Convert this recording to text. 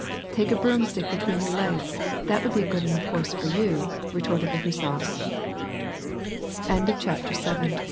" Take a broomstick between your legs ; that would be a good enough horse for you," retorted the hussar. CHAPTER VIII.